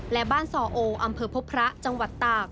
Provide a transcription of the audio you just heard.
และบ้านซอโออำเภอพบพระจังหวัดตาก